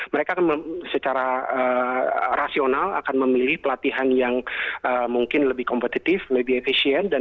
mereka secara rasional akan memilih pelatihan yang mungkin lebih kompetitif lebih efisien